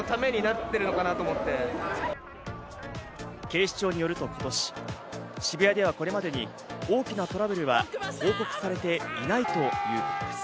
警視庁によると今年、渋谷ではこれまでに大きなトラブルは報告されていないということです。